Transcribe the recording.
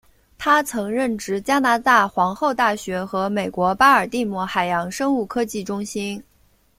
他曾任职加拿大皇后大学和美国巴尔的摩海洋生物科技中心。